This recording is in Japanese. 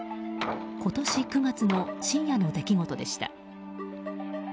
今年９月の深夜の出来事でした。